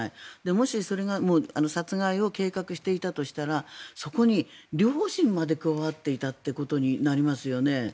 もしそれが殺害を計画していたとしたらそこに両親まで加わっていたことになりますよね。